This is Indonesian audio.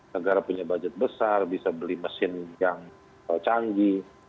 negara punya budget besar bisa beli mesin yang canggih